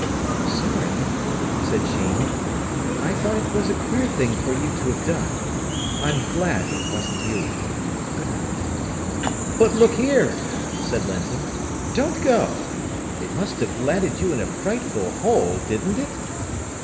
"Sorry," said Sheen. "I thought it was a queer thing for you to have done. I'm glad it wasn't you. Good night." "But look here," said Linton, "don't go. It must have landed you in a frightful hole, didn't it?"